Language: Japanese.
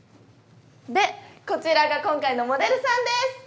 でこちらが今回のモデルさんです。